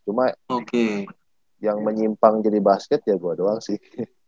cuma yang menyimpang jadi basket ya gue doang sih